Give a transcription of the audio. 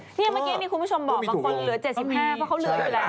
เนี่ยเมื่อกี้มีคุณผู้ชมบอกบางคนเหลือ๗๕